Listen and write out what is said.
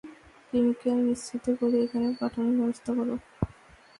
Chemical মিশ্রিত করে এখানে পাঠানোর ব্যবস্থা কর।